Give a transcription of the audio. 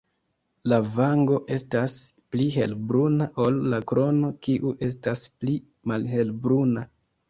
La vango estas pli helbruna ol la krono kiu estas pli malhelbruna.